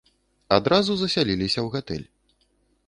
Адразу засяліліся ў гатэль.